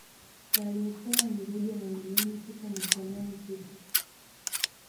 Waliopona ni zaidi ya milioni sita nukta nane tisa